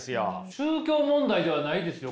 宗教問題ではないですよ？